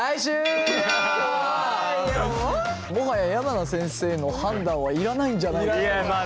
もはや山名先生の判断はいらないんじゃないかと。